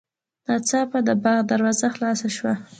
ناڅاپه د باغ دروازه خلاصه شوه.